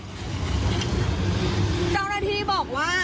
เจ้าหน้าที่บอกว่า